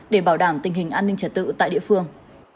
để bảo đảm tình hình an ninh trật tự tại địa phương